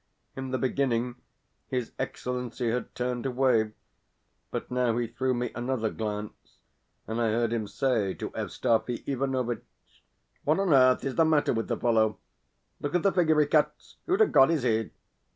In the beginning his Excellency had turned away, but now he threw me another glance, and I heard him say to Evstafi Ivanovitch: "What on earth is the matter with the fellow? Look at the figure he cuts! Who to God is he?"